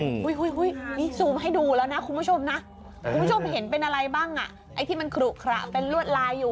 โอ้โหนี่ซูมให้ดูแล้วนะคุณผู้ชมนะคุณผู้ชมเห็นเป็นอะไรบ้างอ่ะไอ้ที่มันขลุขระเป็นลวดลายอยู่